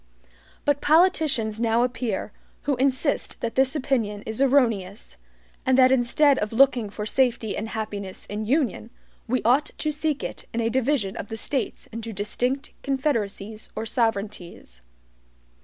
But politicians now appear, who insist that this opinion is erroneous, and that instead of looking for safety and happiness in union, we ought to seek it in a division of the States into distinct confederacies or sovereignties.